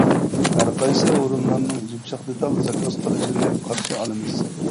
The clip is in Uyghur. ھەرقايسى ئورۇنلارنىڭ يۇمشاق دېتال زاكاز قىلىشىنى قارشى ئالىمىز.